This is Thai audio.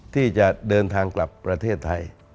ที่จะเดินทางกลับประเทศไทย